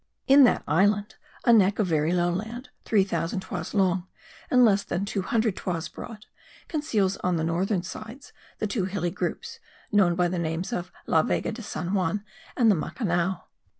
In that island a neck of very low land, three thousand toises long, and less than two hundred toises broad, conceals on the northern sides the two hilly groups, known by the names of La Vega de San Juan and the Macanao.